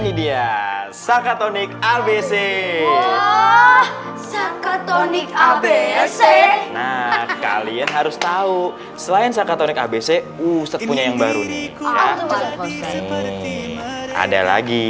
abc sakatonik abc nah kalian harus tahu selain sakatonik abc usah punya yang baru nih ada lagi